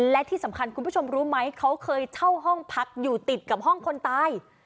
และที่สำคัญคุณผู้ชมรู้ไหมเขาเคยเช่าห้องพักอยู่ติดกับห้องคนตาย